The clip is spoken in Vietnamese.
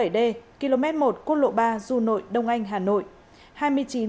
hai nghìn chín trăm linh bảy d km một quốc lộ ba du nội đông anh hà nội